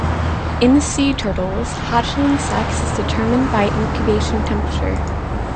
In sea turtles, hatchling sex is determined by incubation temperature.